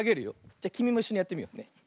じゃきみもいっしょにやってみようね。